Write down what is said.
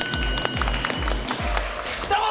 どうも！